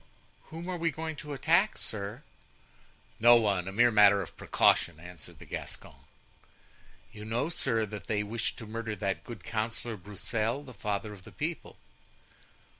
"Whom are we going to attack, sir?" "No one; a mere matter of precaution," answered the Gascon. "You know, sir, that they wished to murder that good councillor, Broussel, the father of the people?"